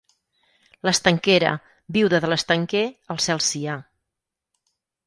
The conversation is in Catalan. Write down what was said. L'estanquera, viuda del estanquer, al cel sia